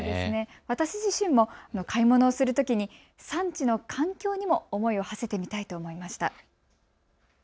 私自身も買い物をするときに産地の環境にも思いをはせてみたいと思いました。